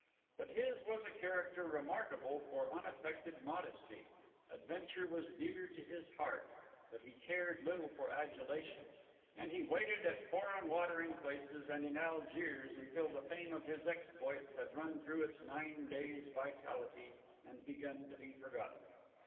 But his was a character remarkable for unaffected modesty; adventure was dear to his heart, but he cared little for adulation; and he waited at foreign watering places and in Algiers until the fame of his exploits had run through its nine days' vitality and begun to be forgotten.